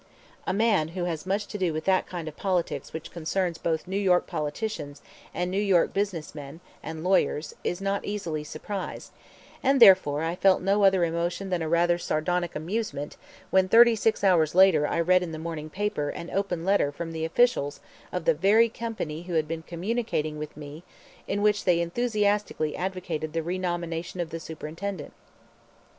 A man who has much to do with that kind of politics which concerns both New York politicians and New York business men and lawyers is not easily surprised, and therefore I felt no other emotion than a rather sardonic amusement when thirty six hours later I read in the morning paper an open letter from the officials of the very company who had been communicating with me in which they enthusiastically advocated the renomination of the Superintendent.